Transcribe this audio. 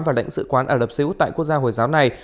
và đảng sứ quán ả rập xê ú tại quốc gia hồi giáo này